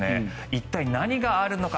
一体、何があるのか。